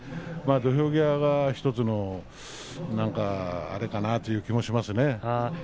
土俵際が１つのあれかな、という気もしますね。